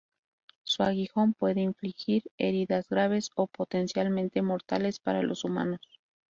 Su aguijón puede infligir heridas graves o potencialmente mortales para los humanos.